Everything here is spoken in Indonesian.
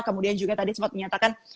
kemudian juga tadi sempat menyatakan